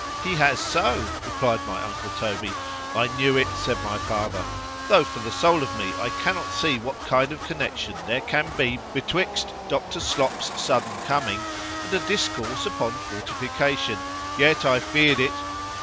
He has so,—replied my uncle Toby.—I knew it, said my father, though, for the soul of me, I cannot see what kind of connection there can be betwixt Dr. Slop's sudden coming, and a discourse upon fortification;—yet I fear'd it.